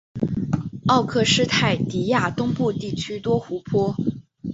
奥克施泰提亚东部地区多湖泊。